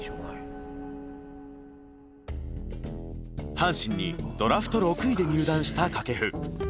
阪神にドラフト６位で入団した掛布。